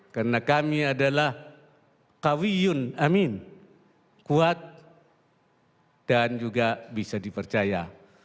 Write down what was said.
karena kami adalah kawiyun amin kuat dan juga bisa dipercaya